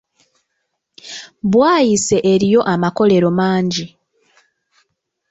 Bwayiise eriyo amakolero mangi.